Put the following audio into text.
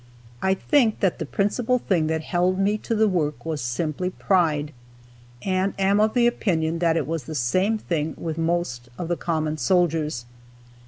I think that the principal thing that held me to the work was simply pride; and am of the opinion that it was the same thing with most of the common soldiers.